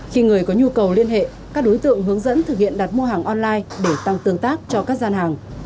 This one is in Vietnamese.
khi người có nhu cầu liên hệ các đối tượng hướng dẫn thực hiện đặt mua hàng online để tăng tương tác cho các gian hàng